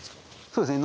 そうですね。